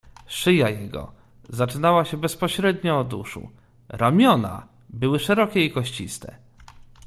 "Szyja jego zaczynała się bezpośrednio od uszu, ramiona były szerokie i kościste."